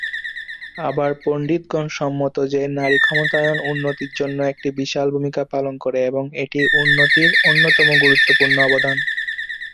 আবার, পণ্ডিতগণ সম্মত যে, নারী ক্ষমতায়ন উন্নতির জন্য একটি বিশাল ভূমিকা পালন করে এবং এটি উন্নতির অন্যতম গুরুত্বপূর্ণ অবদান।